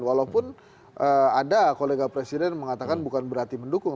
walaupun ada kolega presiden mengatakan bukan berarti mendukung